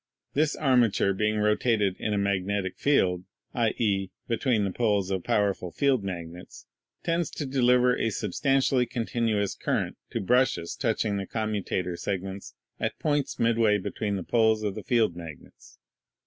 This armature being rotated in a magnetic field — i.e., between the poles of powerful field magnets — tends to deliver a substantially continuous current to "brushes" touching the commutator segments at points midway be tween the poles of the field magnets.